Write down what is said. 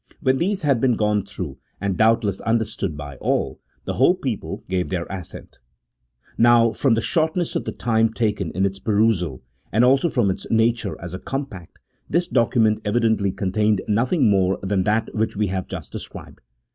When these had been gone through, and doubt less understood by all, the whole people gave their assent. Now from the shortness of the time taken in its perusal and also from its nature as a compact, this document evi dently contained nothing more than that which we have just described.